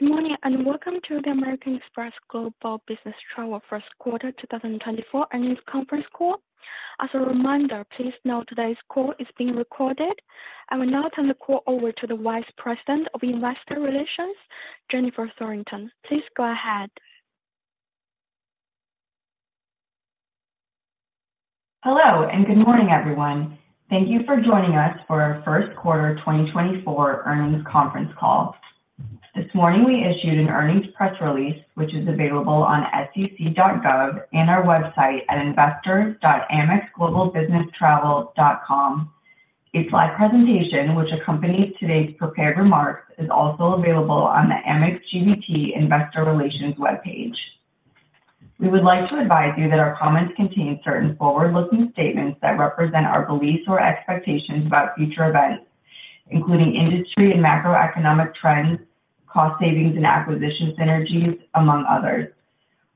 Good morning, and welcome to the American Express Global Business Travel first quarter 2024 earnings conference call. As a reminder, please note today's call is being recorded. I will now turn the call over to the Vice President of Investor Relations, Jennifer Thorington. Please go ahead. Hello, and good morning, everyone. Thank you for joining us for our first quarter 2024 earnings conference call. This morning, we issued an earnings press release, which is available on sec.gov and our website at investors.amexglobalbusinesstravel.com. A slide presentation, which accompanies today's prepared remarks, is also available on the Amex GBT Investor Relations webpage. We would like to advise you that our comments contain certain forward-looking statements that represent our beliefs or expectations about future events, including industry and macroeconomic trends, cost savings, and acquisition synergies, among others.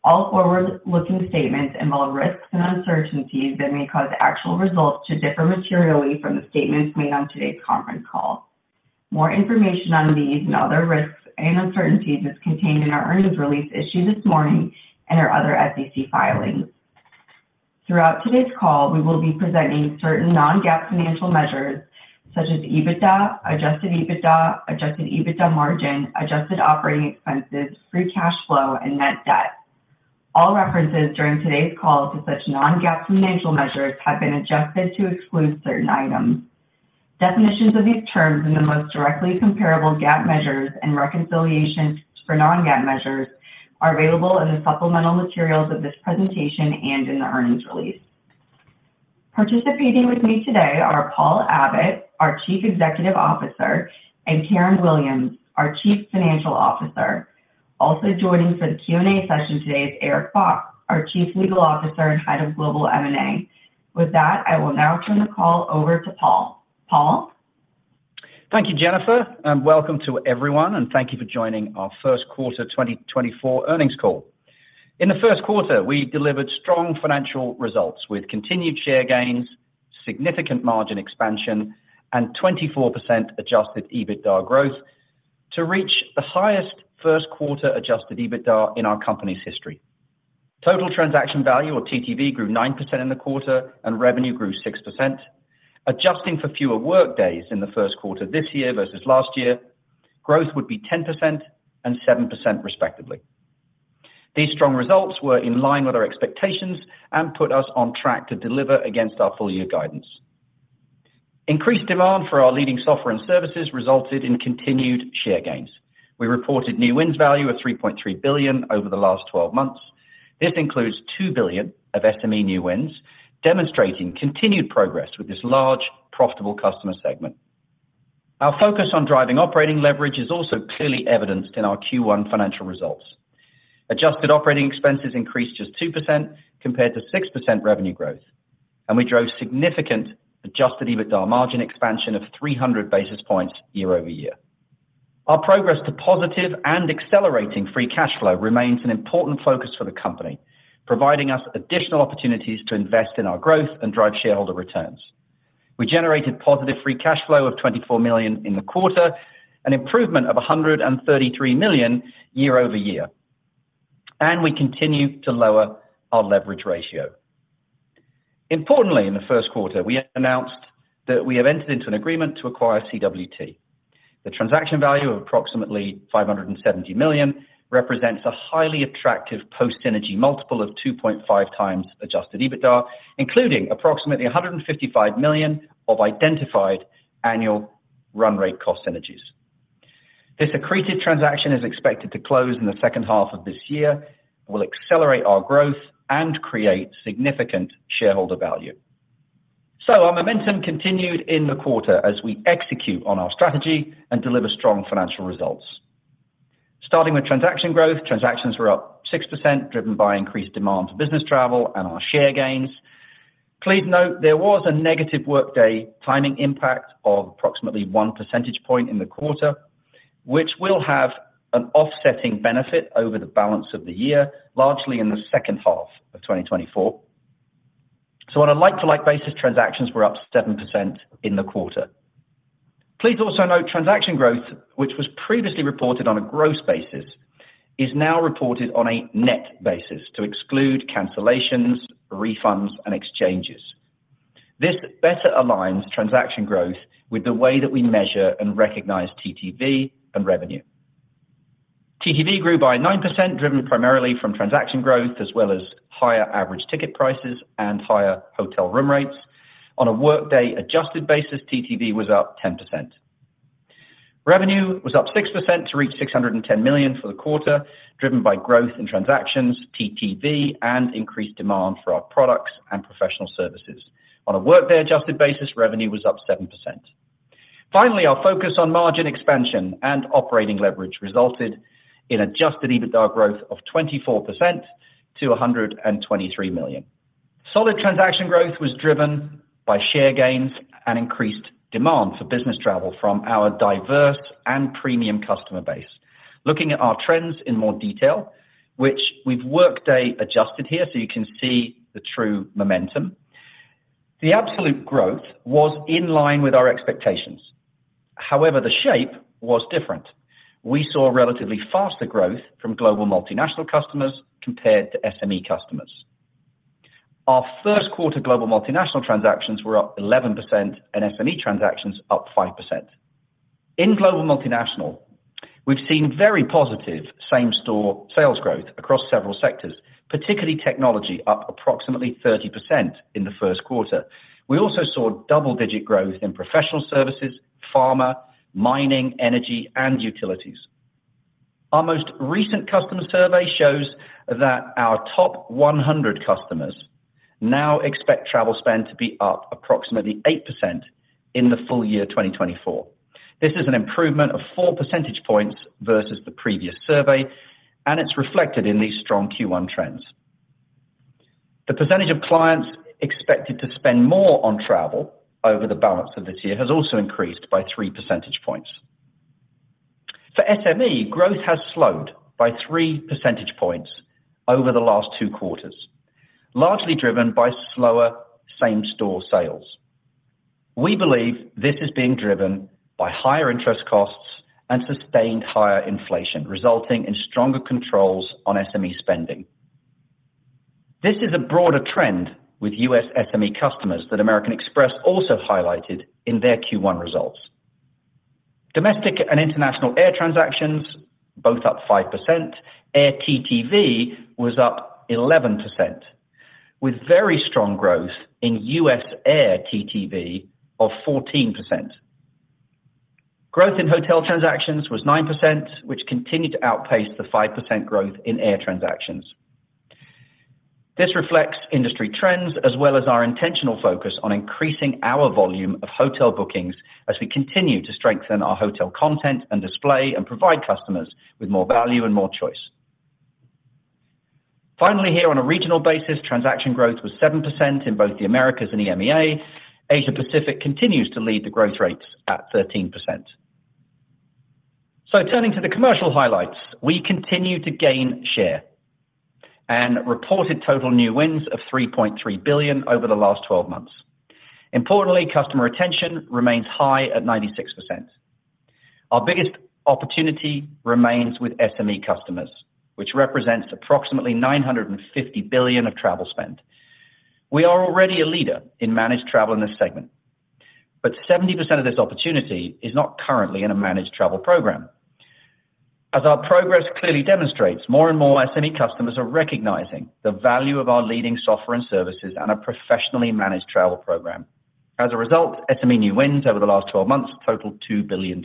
All forward-looking statements involve risks and uncertainties that may cause actual results to differ materially from the statements made on today's conference call. More information on these and other risks and uncertainties is contained in our earnings release issued this morning and our other SEC filings. Throughout today's call, we will be presenting certain non-GAAP financial measures such as EBITDA, Adjusted EBITDA, Adjusted EBITDA margin, adjusted operating expenses, free cash flow, and net debt. All references during today's call to such non-GAAP financial measures have been adjusted to exclude certain items. Definitions of these terms in the most directly comparable GAAP measures and reconciliations for non-GAAP measures are available in the supplemental materials of this presentation and in the earnings release. Participating with me today are Paul Abbott, our Chief Executive Officer, and Karen Williams, our Chief Financial Officer. Also joining for the Q&A session today is Eric Bock, our Chief Legal Officer and Head of Global M&A. With that, I will now turn the call over to Paul. Paul? Thank you, Jennifer, and welcome to everyone, and thank you for joining our first quarter 2024 earnings call. In the first quarter, we delivered strong financial results with continued share gains, significant margin expansion, and 24% Adjusted EBITDA growth to reach the highest first quarter Adjusted EBITDA in our company's history. Total transaction value, or TTV, grew 9% in the quarter and revenue grew 6%. Adjusting for fewer workdays in the first quarter this year versus last year, growth would be 10% and 7%, respectively. These strong results were in line with our expectations and put us on track to deliver against our full year guidance. Increased demand for our leading software and services resulted in continued share gains. We reported new wins value of $3.3 billion over the last twelve months. This includes $2 billion of SME new wins, demonstrating continued progress with this large, profitable customer segment. Our focus on driving operating leverage is also clearly evidenced in our Q1 financial results. Adjusted operating expenses increased just 2% compared to 6% revenue growth, and we drove significant Adjusted EBITDA margin expansion of 300 basis points year-over-year. Our progress to positive and accelerating free cash flow remains an important focus for the company, providing us additional opportunities to invest in our growth and drive shareholder returns. We generated positive free cash flow of $24 million in the quarter, an improvement of $133 million year-over-year, and we continue to lower our leverage ratio. Importantly, in the first quarter, we announced that we have entered into an agreement to acquire CWT. The transaction value of approximately $570 million represents a highly attractive post-synergy multiple of 2.5x Adjusted EBITDA, including approximately $155 million of identified annual run rate cost synergies. This accretive transaction is expected to close in the second half of this year, and will accelerate our growth and create significant shareholder value. So our momentum continued in the quarter as we execute on our strategy and deliver strong financial results. Starting with transaction growth, transactions were up 6%, driven by increased demand for business travel and our share gains. Please note there was a negative workday timing impact of approximately 1 percentage point in the quarter, which will have an offsetting benefit over the balance of the year, largely in the second half of 2024. So on a like-to-like basis, transactions were up 7% in the quarter. Please also note transaction growth, which was previously reported on a gross basis, is now reported on a net basis to exclude cancellations, refunds, and exchanges. This better aligns transaction growth with the way that we measure and recognize TTV and revenue. TTV grew by 9%, driven primarily from transaction growth, as well as higher average ticket prices and higher hotel room rates. On a workday adjusted basis, TTV was up 10%. Revenue was up 6% to reach $610 million for the quarter, driven by growth in transactions, TTV, and increased demand for our products and professional services. On a workday adjusted basis, revenue was up 7%. Finally, our focus on margin expansion and operating leverage resulted in Adjusted EBITDA growth of 24% to $123 million. Solid transaction growth was driven by share gains and increased demand for business travel from our diverse and premium customer base. Looking at our trends in more detail, which we've workday adjusted here so you can see the true momentum. The absolute growth was in line with our expectations. However, the shape was different. We saw relatively faster growth from Global Multinational customers compared to SME customers. Our first quarter Global Multinational transactions were up 11% and SME transactions up 5%. In Global Multinational, we've seen very positive same-store sales growth across several sectors, particularly technology, up approximately 30% in the first quarter. We also saw double-digit growth in professional services, pharma, mining, energy, and utilities. Our most recent customer survey shows that our top 100 customers now expect travel spend to be up approximately 8% in the full year 2024. This is an improvement of 4 percentage points versus the previous survey, and it's reflected in these strong Q1 trends. The percentage of clients expected to spend more on travel over the balance of this year has also increased by 3 percentage points. For SME, growth has slowed by 3 percentage points over the last two quarters, largely driven by slower same-store sales. We believe this is being driven by higher interest costs and sustained higher inflation, resulting in stronger controls on SME spending. This is a broader trend with US SME customers that American Express also highlighted in their Q1 results. Domestic and international air transactions, both up 5%. Air TTV was up 11%, with very strong growth in US air TTV of 14%. Growth in hotel transactions was 9%, which continued to outpace the 5% growth in air transactions. This reflects industry trends as well as our intentional focus on increasing our volume of hotel bookings as we continue to strengthen our hotel content and display and provide customers with more value and more choice. Finally, here on a regional basis, transaction growth was 7% in both the Americas and EMEA. Asia Pacific continues to lead the growth rates at 13%. So turning to the commercial highlights, we continue to gain share and reported total new wins of $3.3 billion over the last twelve months. Importantly, customer retention remains high at 96%. Our biggest opportunity remains with SME customers, which represents approximately $950 billion of travel spend. We are already a leader in managed travel in this segment, but 70% of this opportunity is not currently in a managed travel program. As our progress clearly demonstrates, more and more SME customers are recognizing the value of our leading software and services and a professionally managed travel program. As a result, SME new wins over the last twelve months totaled $2 billion.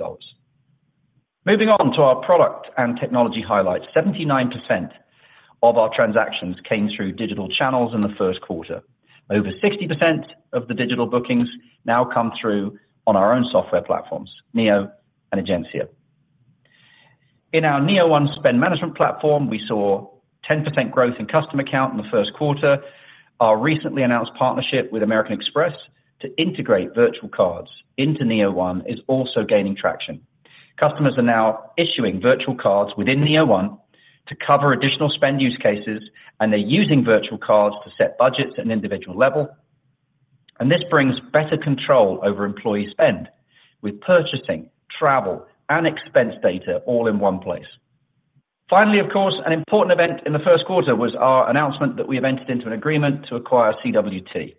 Moving on to our product and technology highlights. 79% of our transactions came through digital channels in the first quarter. Over 60% of the digital bookings now come through on our own software platforms, Neo and Egencia. In our Neo1 spend management platform, we saw 10% growth in customer count in the first quarter. Our recently announced partnership with American Express to integrate virtual cards into Neo1 is also gaining traction. Customers are now issuing virtual cards within Neo1 to cover additional spend use cases, and they're using virtual cards to set budgets at an individual level, and this brings better control over employee spend, with purchasing, travel, and expense data all in one place. Finally, of course, an important event in the first quarter was our announcement that we have entered into an agreement to acquire CWT.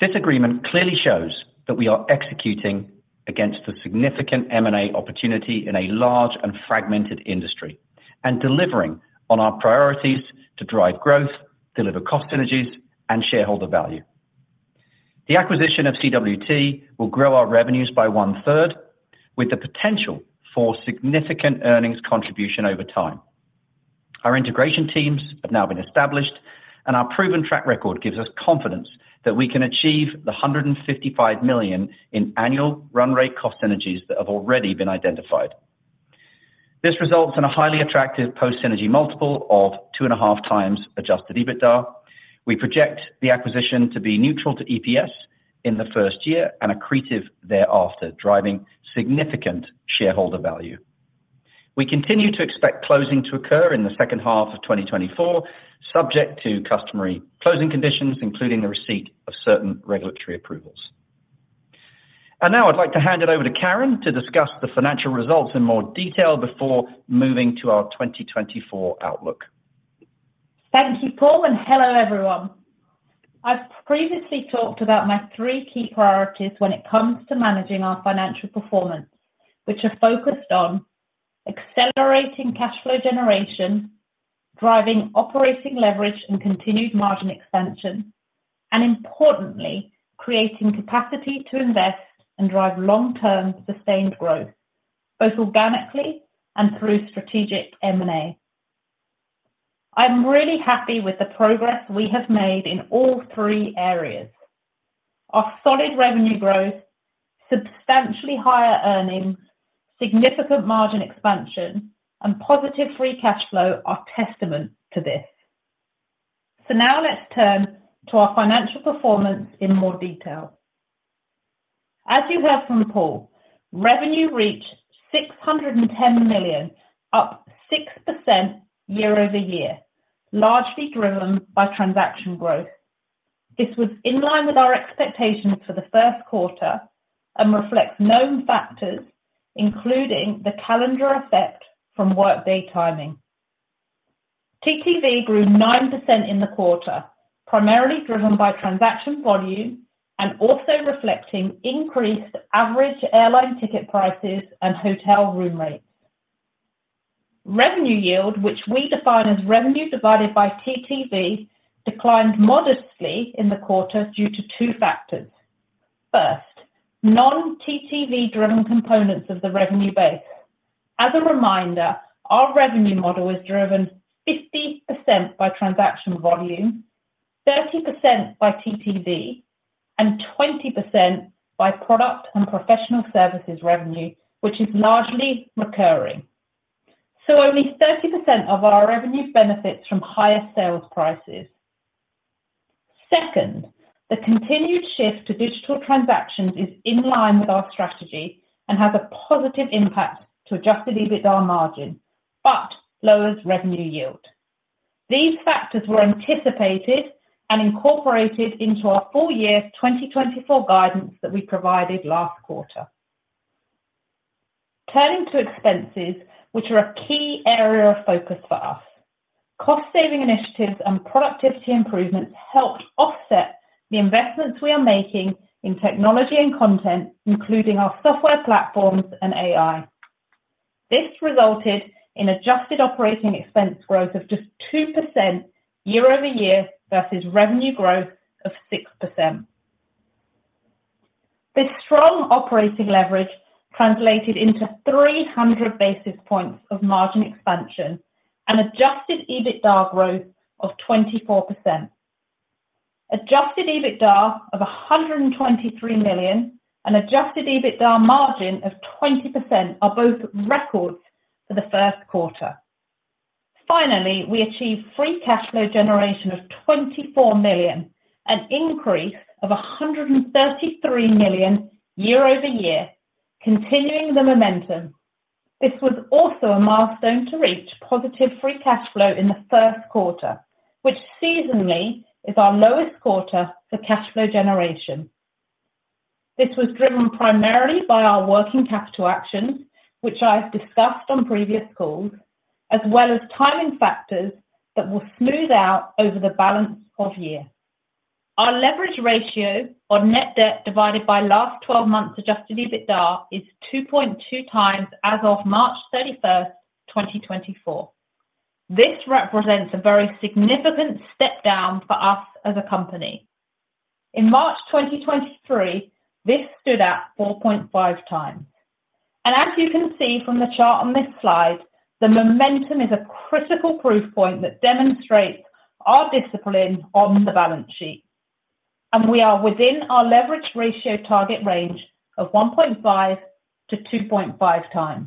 This agreement clearly shows that we are executing against a significant M&A opportunity in a large and fragmented industry, and delivering on our priorities to drive growth, deliver cost synergies, and shareholder value. The acquisition of CWT will grow our revenues by one-third, with the potential for significant earnings contribution over time. Our integration teams have now been established, and our proven track record gives us confidence that we can achieve $155 million in annual run rate cost synergies that have already been identified. This results in a highly attractive post-synergy multiple of 2.5x Adjusted EBITDA. We project the acquisition to be neutral to EPS in the first year and accretive thereafter, driving significant shareholder value. We continue to expect closing to occur in the second half of 2024, subject to customary closing conditions, including the receipt of certain regulatory approvals. And now I'd like to hand it over to Karen to discuss the financial results in more detail before moving to our 2024 outlook. Thank you, Paul, and hello, everyone. I've previously talked about my three key priorities when it comes to managing our financial performance, which are focused on accelerating cash flow generation, driving operating leverage and continued margin expansion, and importantly, creating capacity to invest and drive long-term sustained growth, both organically and through strategic M&A. I'm really happy with the progress we have made in all three areas. Our solid revenue growth, substantially higher earnings, significant margin expansion, and positive free cash flow are testament to this. So now let's turn to our financial performance in more detail. As you heard from Paul, revenue reached $610 million, up 6% year-over-year, largely driven by transaction growth. This was in line with our expectations for the first quarter and reflects known factors, including the calendar effect from work day timing. TTV grew 9% in the quarter, primarily driven by transaction volume and also reflecting increased average airline ticket prices and hotel room rates. Revenue yield, which we define as revenue divided by TTV, declined modestly in the quarter due to two factors. First, non-TTV driven components of the revenue base. As a reminder, our revenue model is driven 50% by transaction volume, 30% by TTV, and 20% by product and professional services revenue, which is largely recurring. So only 30% of our revenue benefits from higher sales prices. Second, the continued shift to digital transactions is in line with our strategy and has a positive impact to Adjusted EBITDA margin, but lowers revenue yield. These factors were anticipated and incorporated into our full year 2024 guidance that we provided last quarter. Turning to expenses, which are a key area of focus for us. Cost saving initiatives and productivity improvements helped offset the investments we are making in technology and content, including our software platforms and AI. This resulted in Adjusted operating expense growth of just 2% year-over-year versus revenue growth of 6%. This strong operating leverage translated into 300 basis points of margin expansion and Adjusted EBITDA growth of 24%. Adjusted EBITDA of $123 million and Adjusted EBITDA margin of 20% are both records for the first quarter. Finally, we achieved free cash flow generation of $24 million, an increase of $133 million year-over-year, continuing the momentum. This was also a milestone to reach positive free cash flow in the first quarter, which seasonally is our lowest quarter for cash flow generation. This was driven primarily by our working capital actions, which I've discussed on previous calls, as well as timing factors that will smooth out over the balance of year. Our leverage ratio or Net Debt, divided by last 12 months Adjusted EBITDA, is 2.2x as of March 31, 2024. This represents a very significant step down for us as a company. In March 2023, this stood at 4.5x. As you can see from the chart on this slide, the momentum is a critical proof point that demonstrates our discipline on the balance sheet, and we are within our leverage ratio target range of 1.5x-2.5x.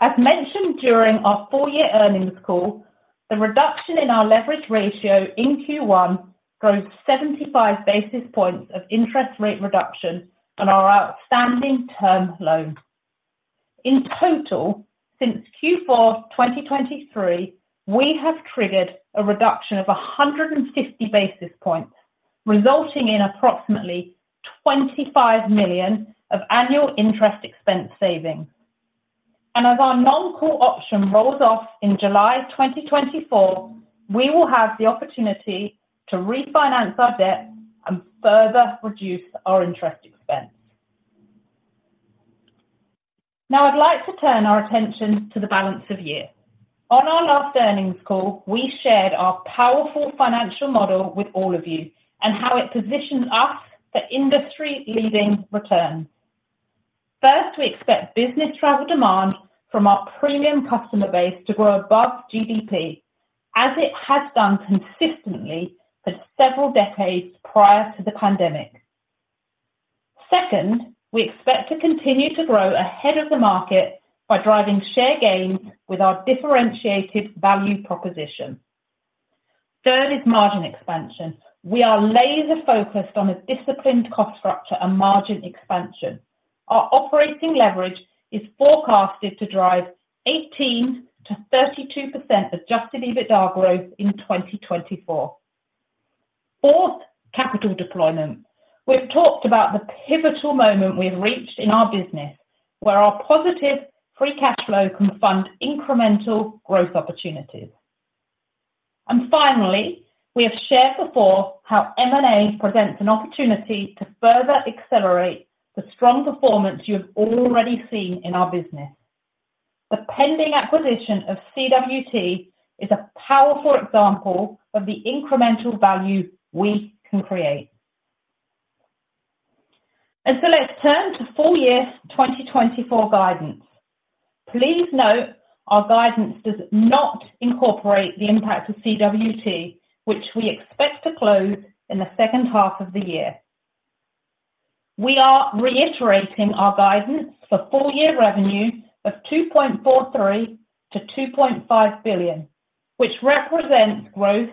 As mentioned during our full year earnings call, the reduction in our leverage ratio in Q1 drove 75 basis points of interest rate reduction on our outstanding term loan. In total, since Q4 2023, we have triggered a reduction of 150 basis points, resulting in approximately $25 million of annual interest expense savings. As our non-call option rolls off in July 2024, we will have the opportunity to refinance our debt and further reduce our interest expense. Now, I'd like to turn our attention to the balance of year. On our last earnings call, we shared our powerful financial model with all of you and how it positions us for industry-leading returns. First, we expect business travel demand from our premium customer base to grow above GDP, as it has done consistently for several decades prior to the pandemic. Second, we expect to continue to grow ahead of the market by driving share gains with our differentiated value proposition. Third is margin expansion. We are laser-focused on a disciplined cost structure and margin expansion. Our operating leverage is forecasted to drive 18%-32% Adjusted EBITDA growth in 2024. Fourth, capital deployment. We've talked about the pivotal moment we've reached in our business, where our positive free cash flow can fund incremental growth opportunities. And finally, we have shared before how M&A presents an opportunity to further accelerate the strong performance you have already seen in our business. The pending acquisition of CWT is a powerful example of the incremental value we can create. And so let's turn to full year 2024 guidance. Please note, our guidance does not incorporate the impact of CWT, which we expect to close in the second half of the year. We are reiterating our guidance for full-year revenue of $2.43 billion-$2.5 billion, which represents 6%-9% growth.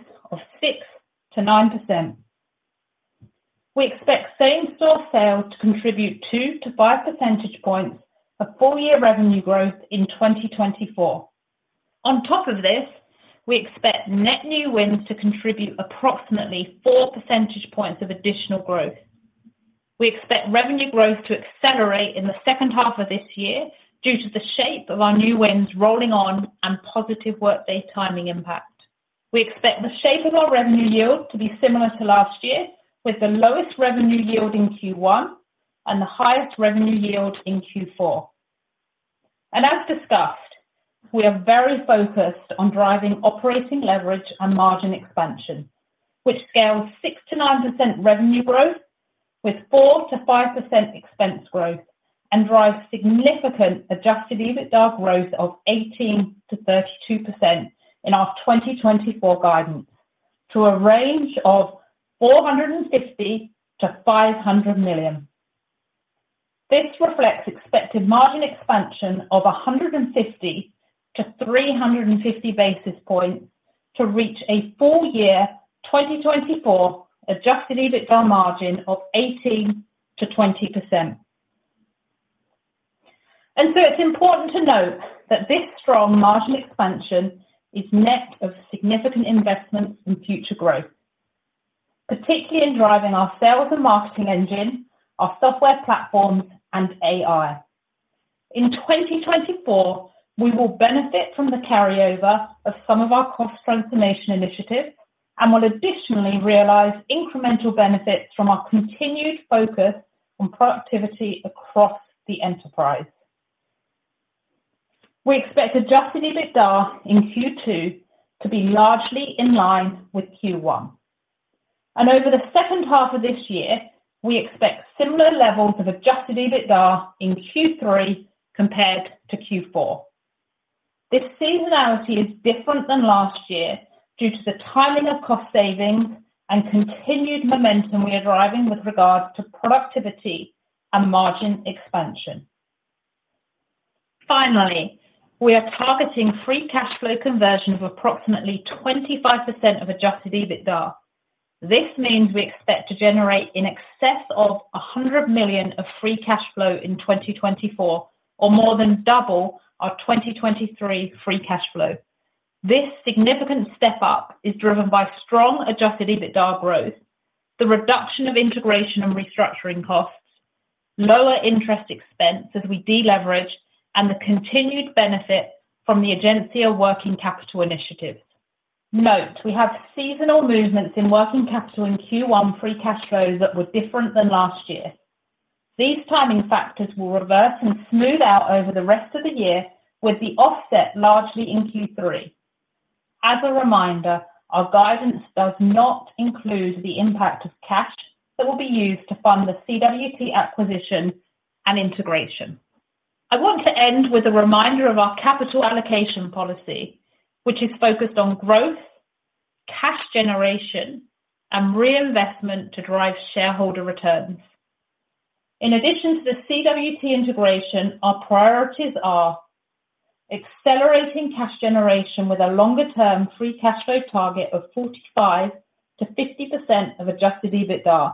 We expect same-store sales to contribute 2-5 percentage points of full-year revenue growth in 2024. On top of this, we expect net new wins to contribute approximately 4 percentage points of additional growth. We expect revenue growth to accelerate in the second half of this year due to the shape of our new wins rolling on and positive work day timing impact. We expect the shape of our revenue yield to be similar to last year, with the lowest revenue yield in Q1 and the highest revenue yield in Q4. As discussed, we are very focused on driving operating leverage and margin expansion, which scales 6%-9% revenue growth with 4%-5% expense growth and drives significant Adjusted EBITDA growth of 18%-32% in our 2024 guidance to a range of $450-$500 million. This reflects expected margin expansion of 150-350 basis points to reach a full year 2024 Adjusted EBITDA margin of 18%-20%. So it's important to note that this strong margin expansion is net of significant investments in future growth, particularly in driving our sales and marketing engine, our software platforms, and AI. In 2024, we will benefit from the carryover of some of our cost transformation initiatives and will additionally realize incremental benefits from our continued focus on productivity across the enterprise. We expect Adjusted EBITDA in Q2 to be largely in line with Q1. Over the second half of this year, we expect similar levels of Adjusted EBITDA in Q3 compared to Q4. This seasonality is different than last year due to the timing of cost savings and continued momentum we are driving with regards to productivity and margin expansion. Finally, we are targeting Free Cash Flow conversion of approximately 25% of Adjusted EBITDA. This means we expect to generate in excess of $100 million of Free Cash Flow in 2024, or more than double our 2023 Free Cash Flow. This significant step up is driven by strong Adjusted EBITDA growth, the reduction of integration and restructuring costs, lower interest expense as we deleverage, and the continued benefit from the Egencia working capital initiative. Note, we have seasonal movements in working capital in Q1 free cash flows that were different than last year. These timing factors will reverse and smooth out over the rest of the year, with the offset largely in Q3. As a reminder, our guidance does not include the impact of cash that will be used to fund the CWT acquisition and integration. I want to end with a reminder of our capital allocation policy, which is focused on growth, cash generation, and reinvestment to drive shareholder returns. In addition to the CWT integration, our priorities are accelerating cash generation with a longer-term Free Cash Flow target of 45%-50% of Adjusted EBITDA,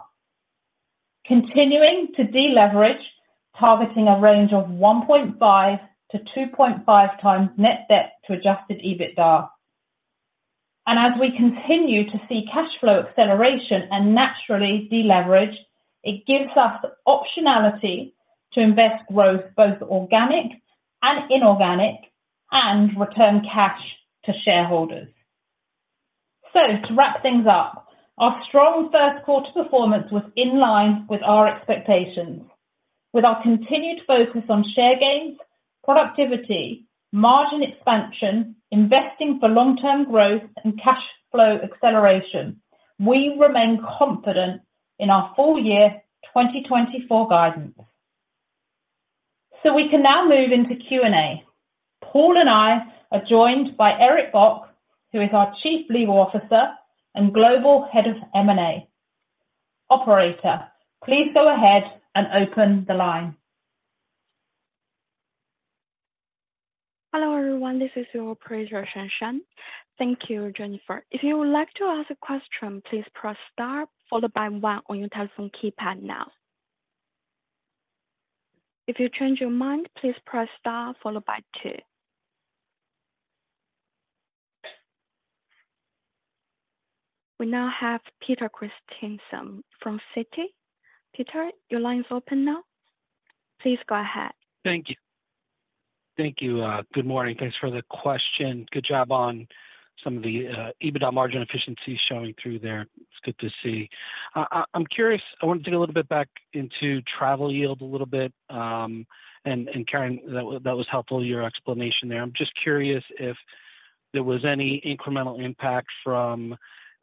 continuing to deleverage, targeting a range of 1.5x-2.5x Net Debt to Adjusted EBITDA. As we continue to see cash flow acceleration and naturally deleverage, it gives us the optionality to invest growth, both organic and inorganic, and return cash to shareholders. To wrap things up, our strong first quarter performance was in line with our expectations. With our continued focus on share gains, productivity, margin expansion, investing for long-term growth and cash flow acceleration, we remain confident in our full-year 2024 guidance. We can now move into Q&A. Paul and I are joined by Eric Bock, who is our Chief Legal Officer and Global Head of M&A. Operator, please go ahead and open the line. Hello, everyone. This is your operator, Shanshan. Thank you, Jennifer. If you would like to ask a question, please press star followed by one on your telephone keypad now. If you change your mind, please press star followed by two. We now have Peter Christiansen from Citi. Peter, your line's open now. Please go ahead. Thank you. Thank you. Good morning. Thanks for the question. Good job on some of the, EBITDA margin efficiency showing through there. It's good to see. I'm curious. I want to dig a little bit back into travel yield a little bit, and, Karen, that was helpful, your explanation there. I'm just curious if there was any incremental impact from,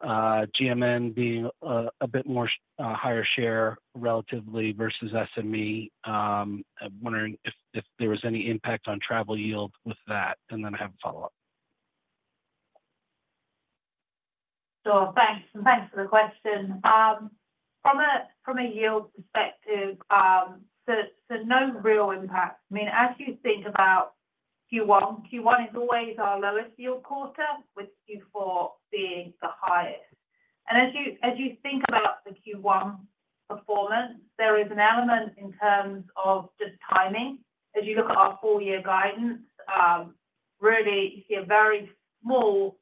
GMN being, a bit more, higher share relatively versus SME. I'm wondering if there was any impact on travel yield with that, and then I have a follow-up. Sure, thanks. Thanks for the question. From a yield perspective, so no real impact. I mean, as you think about Q1, Q1 is always our lowest yield quarter, with Q4 being the highest. And as you think about the Q1 performance, there is an element in terms of just timing. As you look at our full year guidance, really, you see a very small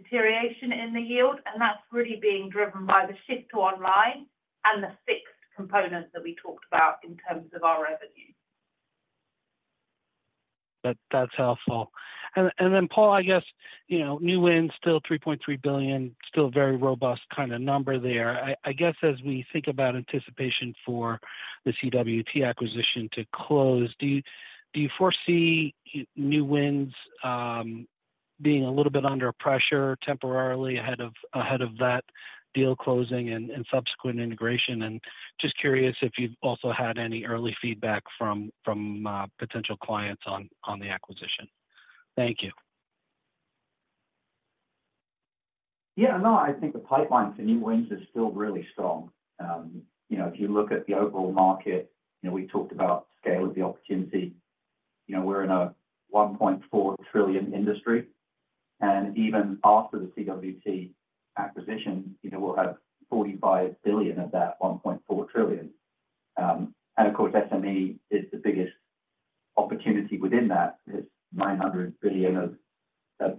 deterioration in the yield, and that's really being driven by the shift to online and the fixed components that we talked about in terms of our revenue. That, that's helpful. And then, Paul, I guess, you know, new wins, still $3.3 billion, still a very robust kind of number there. I guess as we think about anticipation for the CWT acquisition to close, do you foresee new wins being a little bit under pressure temporarily ahead of that deal closing and subsequent integration? And just curious if you've also had any early feedback from potential clients on the acquisition. Thank you. Yeah, no, I think the pipeline for new wins is still really strong. You know, if you look at the overall market, you know, we talked about scale of the opportunity. You know, we're in a $1.4 trillion industry, and even after the CWT acquisition, you know, we'll have $45 billion of that $1.4 trillion. And of course, SME is the biggest opportunity within that, is $900 billion of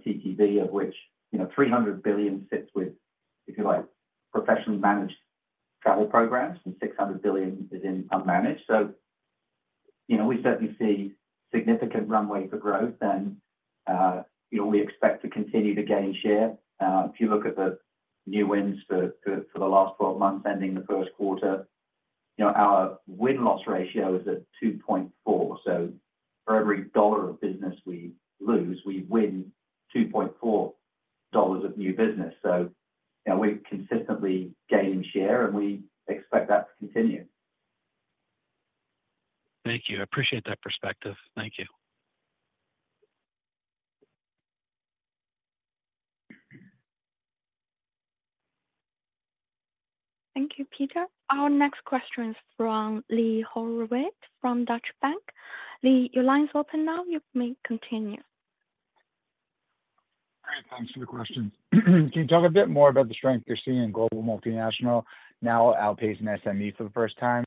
TTV, of which, you know, $300 billion sits with, if you like, professionally managed travel programs, and $600 billion is in unmanaged. So, you know, we certainly see significant runway for growth and, you know, we expect to continue to gain share. If you look at the new wins for the last 12 months ending the first quarter, you know, our win-loss ratio is at 2.4. So for every dollar of business we lose, we win 2.4 dollars of new business. So, you know, we're consistently gaining share, and we expect that to continue. Thank you. I appreciate that perspective. Thank you. Thank you, Peter. Our next question is from Lee Horowitz from Deutsche Bank. Lee, your line's open now. You may continue. Great, thanks for the question. Can you talk a bit more about the strength you're seeing in Global Multinational now outpacing SME for the first time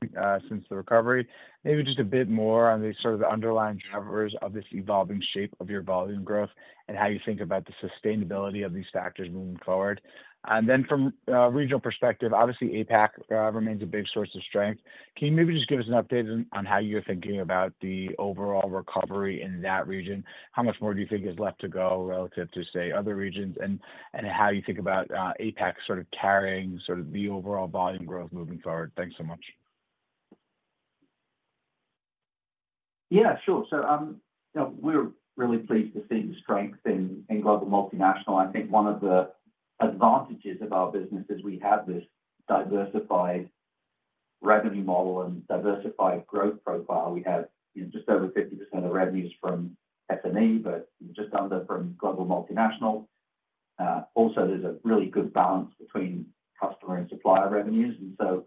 since the recovery? Maybe just a bit more on the sort of underlying drivers of this evolving shape of your volume growth, and how you think about the sustainability of these factors moving forward. Then from a regional perspective, obviously, APAC remains a big source of strength. Can you maybe just give us an update on how you're thinking about the overall recovery in that region? How much more do you think is left to go relative to, say, other regions, and how you think about APAC sort of carrying sort of the overall volume growth moving forward? Thanks so much. Yeah, sure. So, you know, we're really pleased to see the strength in Global Multinational. I think one of the advantages of our business is we have this diversified revenue model and diversified growth profile. We have, you know, just over 50% of revenues from SME, but just under from Global Multinational. Also, there's a really good balance between customer and supplier revenues, and so,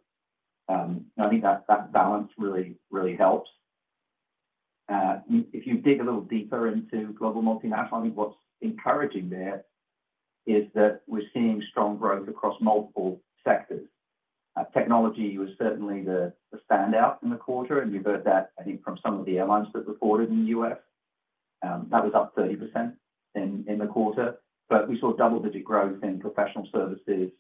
I think that, that balance really, really helps. If you dig a little deeper into Global Multinational, I think what's encouraging there is that we're seeing strong growth across multiple sectors. Technology was certainly the standout in the quarter, and you heard that, I think, from some of the airlines that reported in the U.S. That was up 30% in the quarter, but we saw double-digit growth in professional services, you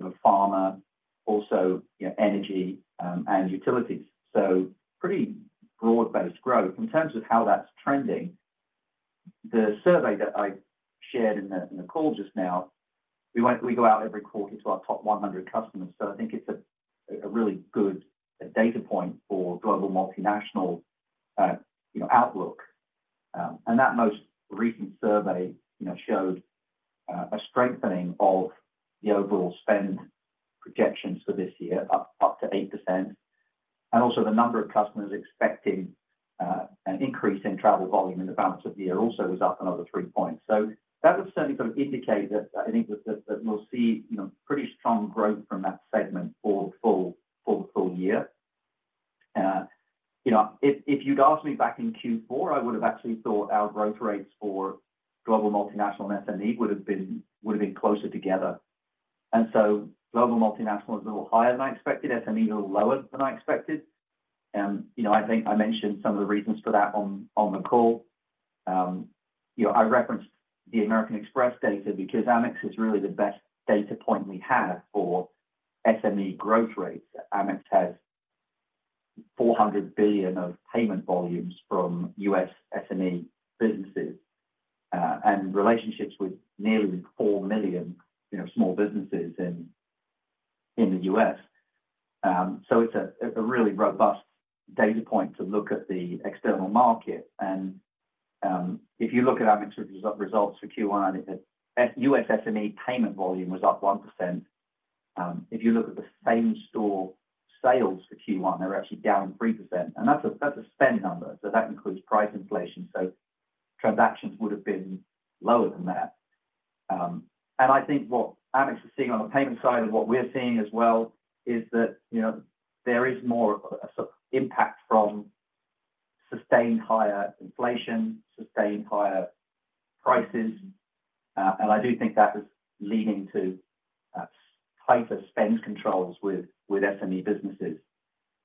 know, pharma, also, you know, energy, and utilities. So pretty broad-based growth. In terms of how that's trending, the survey that I shared in the call just now, we go out every quarter to our top 100 customers, so I think it's a really good data point for Global Multinational, you know, outlook. And that most recent survey, you know, showed a strengthening of the overall spend projections for this year, up to 8%. And also, the number of customers expecting an increase in travel volume in the balance of the year also was up another 3 points. So that would certainly sort of indicate that I think that we'll see, you know, pretty strong growth from that segment for the full year. You know, if you'd asked me back in Q4, I would have actually thought our growth rates for Global Multinational and SME would have been closer together. And so Global Multinational is a little higher than I expected, SME a little lower than I expected. You know, I think I mentioned some of the reasons for that on the call. You know, I referenced the American Express data because Amex is really the best data point we have for SME growth rates. Amex has $400 billion of payment volumes from US SME businesses, and relationships with nearly 4 million small businesses in the U.S. So it's a really robust data point to look at the external market. And, if you look at Amex's results for Q1, it said US SME payment volume was up 1%....If you look at the same store sales for Q1, they were actually down 3%, and that's a spend number, so that includes price inflation, so transactions would have been lower than that. And I think what Amex is seeing on the payment side, and what we're seeing as well, is that, you know, there is more of a sort of impact from sustained higher inflation, sustained higher prices. And I do think that is leading to tighter spend controls with SME businesses.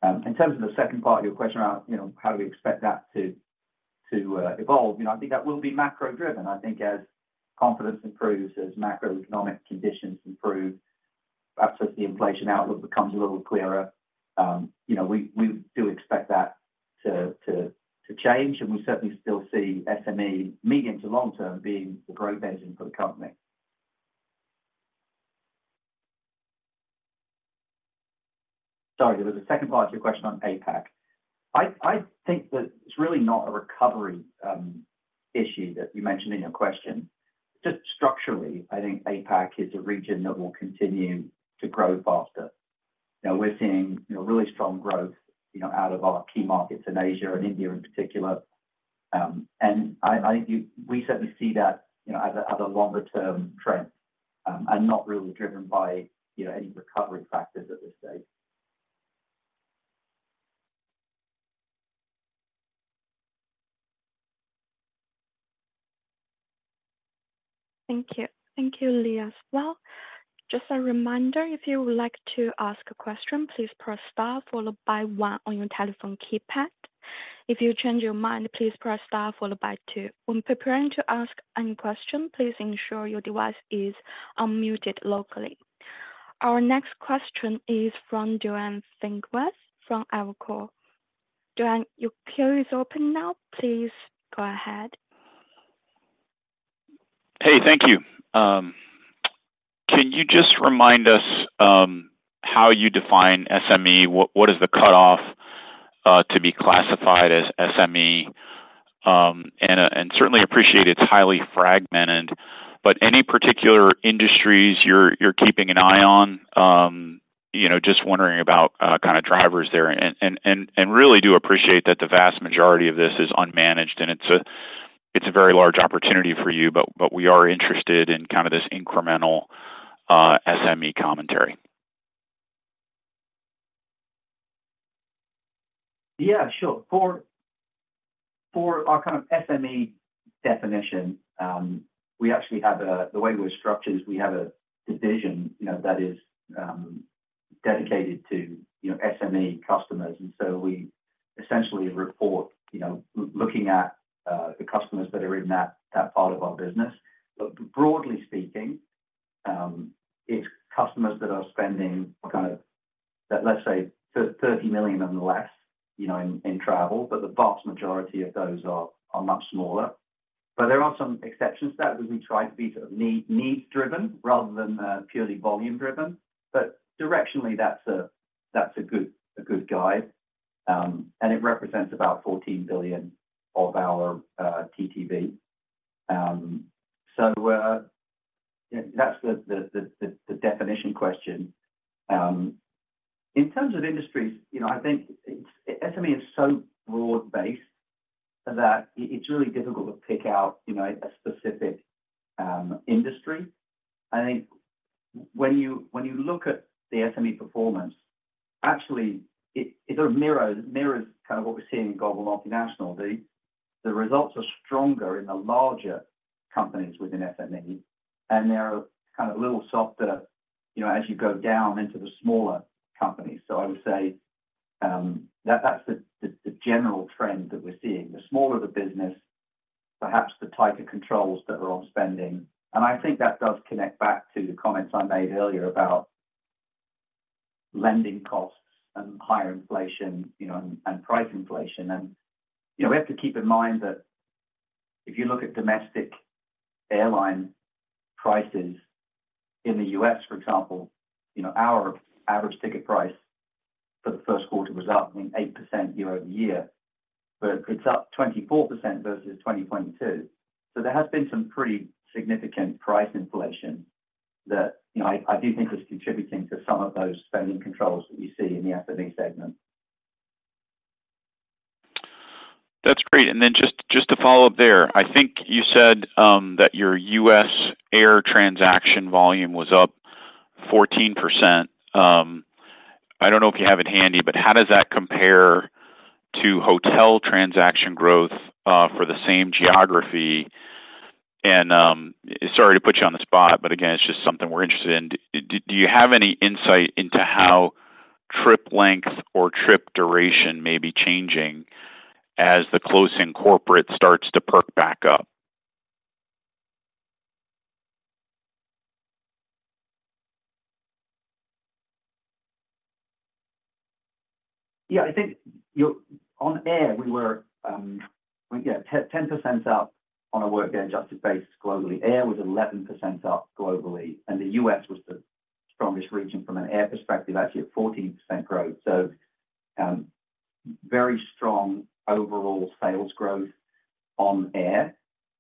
In terms of the second part of your question about, you know, how do we expect that to evolve? You know, I think that will be macro-driven. I think as confidence improves, as macroeconomic conditions improve, as the inflation outlook becomes a little clearer, you know, we do expect that to change, and we certainly still see SME, medium to long term, being the growth engine for the company. Sorry, there was a second part to your question on APAC. I think that it's really not a recovery issue that you mentioned in your question. Just structurally, I think APAC is a region that will continue to grow faster. Now, we're seeing, you know, really strong growth, you know, out of our key markets in Asia and India in particular. And we certainly see that, you know, as a longer term trend, and not really driven by, you know, any recovery factors at this stage. Thank you. Thank you, Lee, as well. Just a reminder, if you would like to ask a question, please press star followed by one on your telephone keypad. If you change your mind, please press star followed by two. When preparing to ask any question, please ensure your device is unmuted locally. Our next question is from Duane Pfennigwerth, from Evercore ISI. Duane, your queue is open now. Please go ahead. Hey, thank you. Can you just remind us how you define SME? What is the cutoff to be classified as SME? And certainly appreciate it's highly fragmented, but any particular industries you're keeping an eye on? You know, just wondering about kind of drivers there. And really do appreciate that the vast majority of this is unmanaged, and it's a very large opportunity for you, but we are interested in kind of this incremental SME commentary. Yeah, sure. For our kind of SME definition, we actually have a... The way we're structured is we have a division, you know, that is dedicated to, you know, SME customers, and so we essentially report, you know, looking at the customers that are in that part of our business. But broadly speaking, it's customers that are spending kind of, let's say, $30 million and less, you know, in travel, but the vast majority of those are much smaller. But there are some exceptions to that, because we try to be sort of needs-driven rather than purely volume-driven. But directionally, that's a good guide, and it represents about $14 billion of our TTV. So that's the definition question. In terms of industries, you know, I think it's SME is so broad-based, that it, it's really difficult to pick out, you know, a specific, industry. I think when you, when you look at the SME performance, actually, it, it sort of mirrors, mirrors kind of what we're seeing in Global Multinational. The, the results are stronger in the larger companies within SME, and they're kind of little softer, you know, as you go down into the smaller companies. So I would say, that, that's the, the, the general trend that we're seeing. The smaller the business, perhaps the tighter controls that are on spending. And I think that does connect back to the comments I made earlier about lending costs and higher inflation, you know, and, and price inflation. You know, we have to keep in mind that if you look at domestic airline prices in the U.S., for example, you know, our average ticket price for the first quarter was up, I mean, 8% year-over-year, but it's up 24% versus 2022. So there has been some pretty significant price inflation that, you know, I do think is contributing to some of those spending controls that we see in the SME segment. That's great, and then just to follow up there, I think you said that your US air transaction volume was up 14%. I don't know if you have it handy, but how does that compare to hotel transaction growth for the same geography? Sorry to put you on the spot, but again, it's just something we're interested in. Do you have any insight into how trip length or trip duration may be changing as the closing corporate starts to perk back up? Yeah, I think on air, we were, yeah, 10% up on a work day adjusted basis globally. Air was 11% up globally, and the U.S. was the strongest region from an air perspective, actually at 14% growth. So, very strong overall sales growth... on air.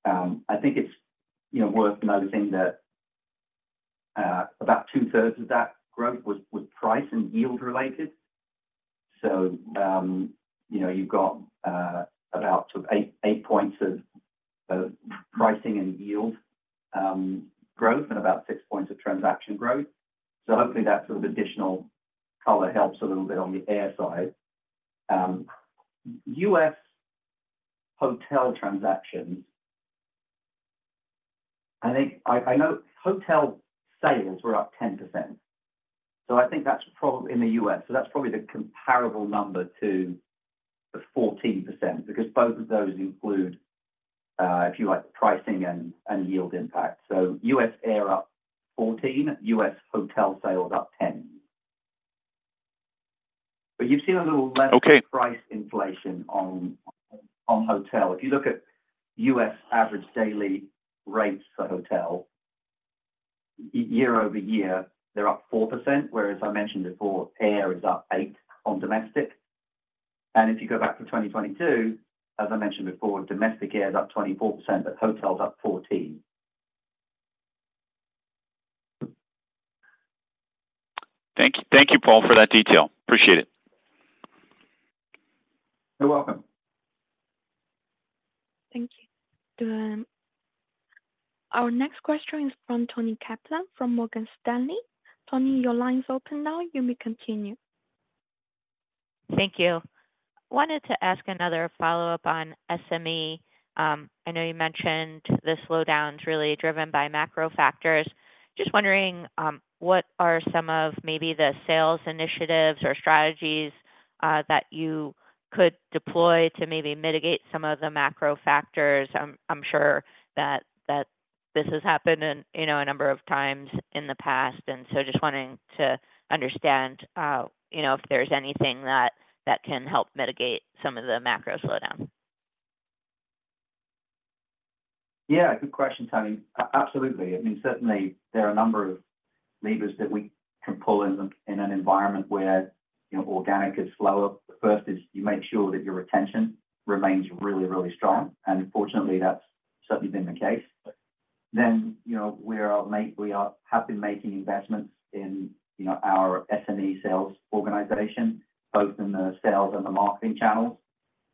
I think it's, you know, worth noting that about two-thirds of that growth was price and yield-related. So, you know, you've got about sort of eight points of pricing and yield growth and about six points of transaction growth. So hopefully that sort of additional color helps a little bit on the air side. US hotel transactions, I think I know hotel sales were up 10%, so I think that's probably in the U.S. So that's probably the comparable number to the 14%, because both of those include, if you like, the pricing and yield impact. So US air up 14, US hotel sales up 10. But you've seen a little less- Okay. Price inflation on, on hotel. If you look at U.S. average daily rates for hotel, year-over-year, they're up 4%, whereas I mentioned before, air is up 8% on domestic. And if you go back to 2022, as I mentioned before, domestic air is up 24%, but hotels up 14%. Thank you. Thank you, Paul, for that detail. Appreciate it. You're welcome. Thank you. Our next question is from Toni Kaplan from Morgan Stanley. Toni, your line's open now. You may continue. Thank you. Wanted to ask another follow-up on SME. I know you mentioned the slowdown is really driven by macro factors. Just wondering, what are some of maybe the sales initiatives or strategies, that you could deploy to maybe mitigate some of the macro factors? I'm, I'm sure that, that this has happened in, you know, a number of times in the past, and so just wanting to understand, you know, if there's anything that, that can help mitigate some of the macro slowdown. Yeah, good question, Toni. Absolutely. I mean, certainly there are a number of levers that we can pull in an environment where, you know, organic is slower. The first is you make sure that your retention remains really, really strong, and unfortunately, that's certainly been the case. Then, you know, we have been making investments in, you know, our SME sales organization, both in the sales and the marketing channels.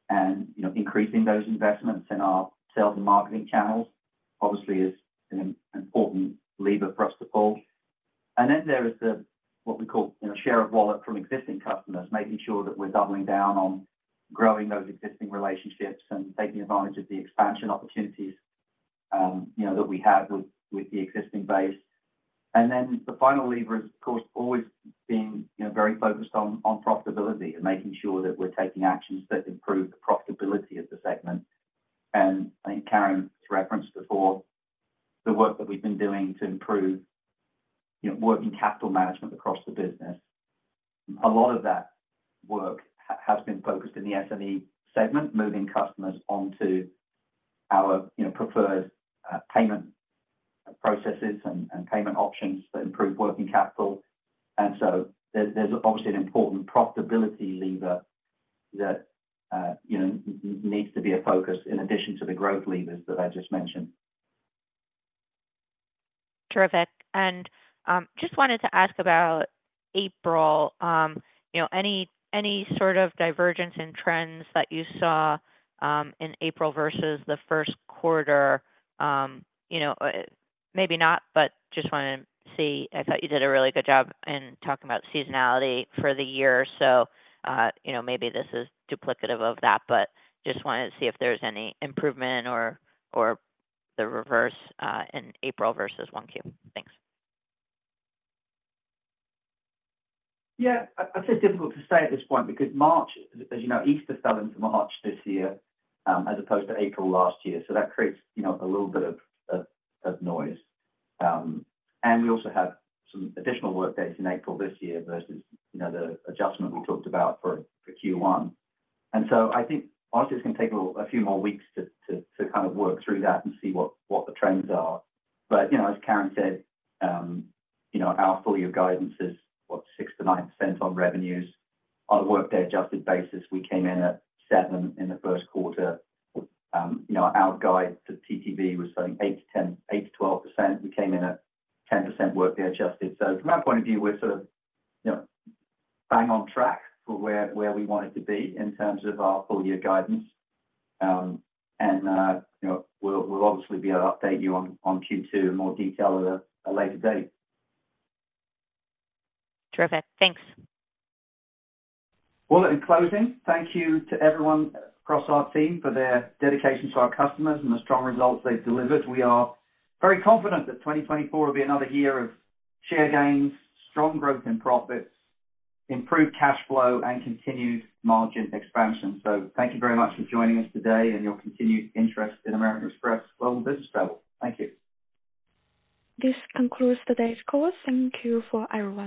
And, you know, increasing those investments in our sales and marketing channels obviously is an important lever for us to pull. And then there is the, what we call, you know, share of wallet from existing customers, making sure that we're doubling down on growing those existing relationships and taking advantage of the expansion opportunities, you know, that we have with the existing base. And then the final lever is, of course, always being, you know, very focused on profitability and making sure that we're taking actions that improve the profitability of the segment. And I think Karen referenced before the work that we've been doing to improve, you know, working capital management across the business. A lot of that work has been focused in the SME segment, moving customers onto our, you know, preferred payment processes and payment options that improve working capital. And so there's obviously an important profitability lever that, you know, needs to be a focus in addition to the growth levers that I just mentioned. Terrific. And just wanted to ask about April. You know, any sort of divergence in trends that you saw in April versus the first quarter? You know, maybe not, but just wanted to see. I thought you did a really good job in talking about seasonality for the year. So, you know, maybe this is duplicative of that, but just wanted to see if there's any improvement or the reverse in April versus 1Q. Thanks. Yeah, it's difficult to say at this point because March, as you know, Easter fell into March this year, as opposed to April last year, so that creates, you know, a little bit of noise. And we also had some additional work days in April this year versus, you know, the adjustment we talked about for Q1. And so I think obviously it's gonna take a little, a few more weeks to kind of work through that and see what the trends are. But, you know, as Karen said, you know, our full year guidance is, what? 6%-9% on revenues. On a workday-adjusted basis, we came in at 7% in the first quarter. You know, our guide to TTV was saying 8%-10%, 8%-12%. We came in at 10% workday adjusted. From my point of view, we're sort of, you know, bang on track for where we wanted to be in terms of our full year guidance. You know, we'll obviously be able to update you on Q2 in more detail at a later date. Terrific. Thanks. Well, in closing, thank you to everyone across our team for their dedication to our customers and the strong results they've delivered. We are very confident that 2024 will be another year of share gains, strong growth in profits, improved cash flow, and continued margin expansion. So thank you very much for joining us today and your continued interest in American Express Global Business Travel. Thank you. This concludes today's call. Thank you for everyone.